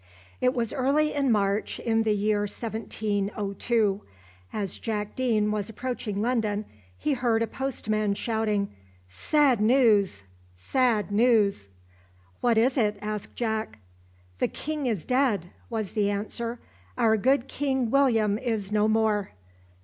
It was early in March in the year 1702. As Jack Deane was approaching London, he heard a postman shouting, "Sad news! sad news!" "What is it?" asked Jack. "The king is dead!" was the answer. "Our good King William is no more!"